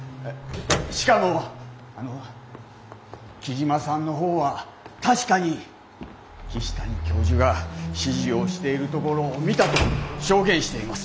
しかも木嶋さんの方は確かに岸谷教授が指示をしているところを見たと証言しています。